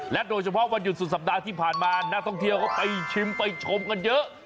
โดยเฉพาะวันหยุดสุดสัปดาห์ที่ผ่านมานักท่องเที่ยวก็ไปชิมไปชมกันเยอะ